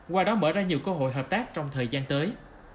qua đó mở ra nhiều cơ hội hợp tác trong thời gian tới